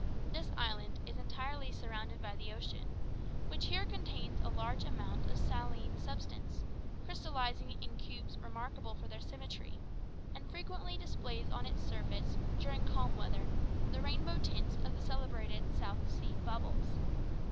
This island is entirely surrounded by the ocean, which here contains a large amount of saline substance, crystallizing in cubes remarkable for their symmetry, and frequently displays on its surface, during calm weather, the rainbow tints of the celebrated South Sea bubbles.